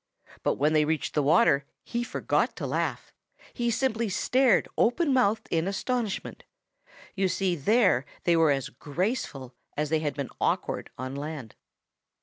But when they reached the water he forgot to laugh. He simply stared open mouthed in astonishment. You see there they were as graceful as they had been awkward on land.